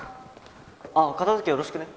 ああ片づけよろしくね。